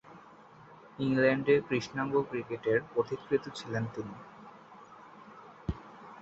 ইংল্যান্ডে কৃষ্ণাঙ্গ ক্রিকেটের পথিকৃৎ ছিলেন তিনি।